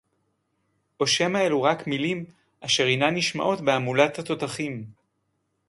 או שמא אלו רק מלים אשר אינן נשמעות בהמולת התותחים?